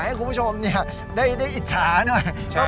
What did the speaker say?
ให้คุณผู้ชมได้อิจฉาหน่อย